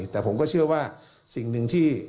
แต่ผมก็เชื่อว่าสิ่งหนึ่งที่